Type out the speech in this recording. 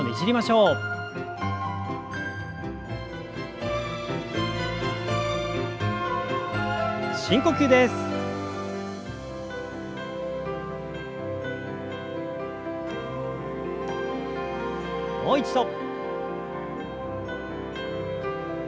もう一度。